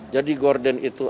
jadi gordon itu